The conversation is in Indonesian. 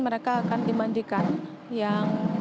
mereka akan dimandikan yang